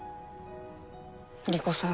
莉子さん